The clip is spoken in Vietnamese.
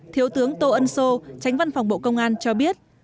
thiếu tướng tô ân sô tránh văn phòng bộ công an cho biết